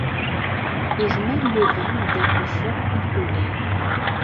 Yezmer Yuba ad aɣ-d-iseɣ tinfulin?